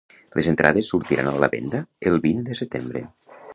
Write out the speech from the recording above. Les entrades sortiran a la venda el vint de setembre.